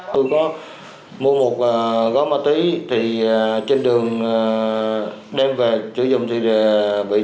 tôi có mua một gói ma túy thì trên đường đem về sử dụng thì bị